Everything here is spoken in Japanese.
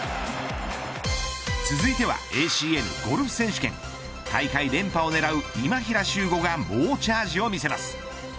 続いてはＡＣＮゴルフ選手権大会連覇を狙う今平周吾が猛チャージを見せます。